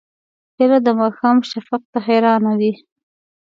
پیاله د ماښام شفق ته حیرانه وي.